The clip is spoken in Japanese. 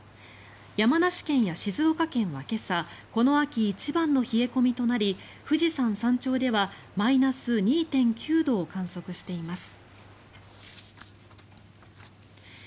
山梨県や静岡県は今朝この秋一番の冷え込みとなり富士山山頂ではマイナス２．９度を観測しています。